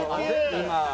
今。